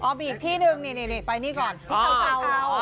ไปอีกที่หนึ่งนี่ไปนี่ก่อนที่เช้า